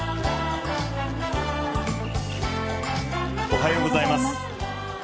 おはようございます。